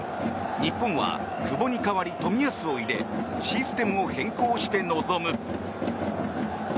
日本は久保に代わり冨安を入れシステムを変更して臨む。